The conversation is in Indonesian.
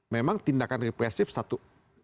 memang tindakan represif satu